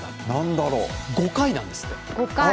５回なんですって。